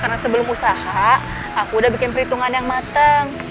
karena sebelum usaha aku udah bikin perhitungan yang mateng